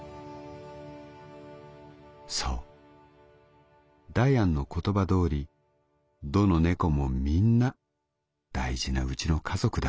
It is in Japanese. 「そうダヤンの言葉通りどの猫もみんな大事なうちの家族だ。